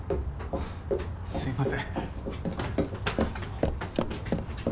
すいません。